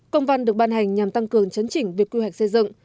công văn được ban hành nhằm tăng cường chấn chỉnh việc quy hoạch xây dựng